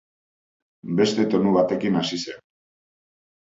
Beste tonu batekin hasi zen.